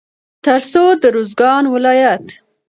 تر څو د روزګان ولايت